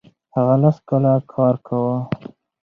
هغه لس کاله کار کاوه.